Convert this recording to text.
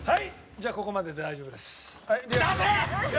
じゃあここまでで大丈夫です。